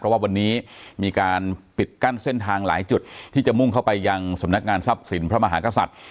ว่าวันนี้มีการปิดกั้นเส้นทางหลายจุดที่จะมุ่งเข้าไปยังสำนักงานทรัพย์สินพระมหากษัตริย์